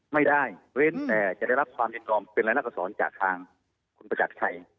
ไม่ได้แน่นแต่จะได้รับความยังรอบเป็นลักษณะสอนจากทางคุณประจักษ์ไทย